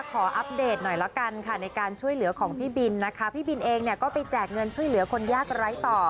อัปเดตหน่อยละกันค่ะในการช่วยเหลือของพี่บินนะคะพี่บินเองเนี่ยก็ไปแจกเงินช่วยเหลือคนยากไร้ต่อ